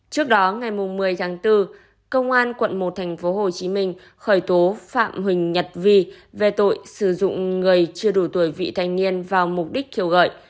trước đó ngày một mươi tháng bốn công an quận một tp hcm khởi tố phạm huỳnh nhật vi về tội sử dụng người chưa đủ tuổi vị thanh niên vào mục đích kêu gọi